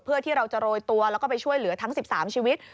เพื่อที่เราจะโรยตัวแล้วก็ไปช่วยเหลือทั้ง๑๓ชีวิต